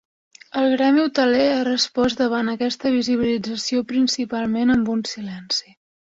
El gremi hoteler ha respost davant aquesta visibilització principalment amb un silenci.